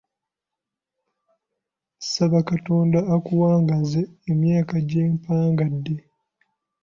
Nsaba Katonda akuwangaaze emyaka gye mpangadde.